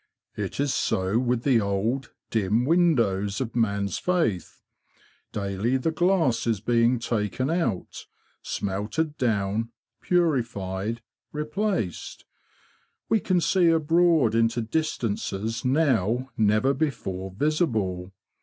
It is so with the old, dim windows of man's faith; daily the glass is being taken out, smelted down, purified, replaced; we can see abroad into distances now never before visible.